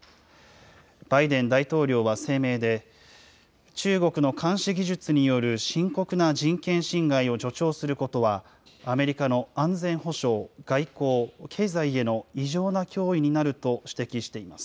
バイデン大統領は声明で、中国の監視技術による深刻な人権侵害を助長することは、アメリカの安全保障、外交、経済への異常な脅威になると指摘しています。